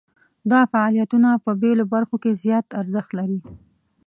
دا فعالیتونه په بیلو برخو کې زیات ارزښت لري.